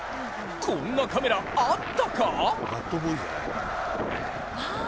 こんなカメラあったか！？